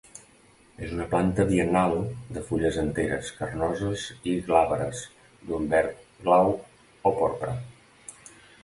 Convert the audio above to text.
És una planta biennal, de fulles enteres, carnoses i glabres d'un verd glauc o porpra.